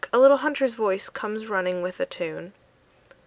a little hunter's voice comes running with a tune.